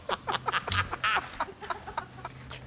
ハハハハ！